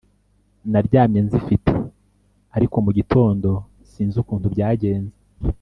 naryamye nzifite ariko mu gitondo sinzi ukuntu byagenze